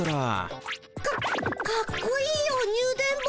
かかっこいいよニュ電ボ。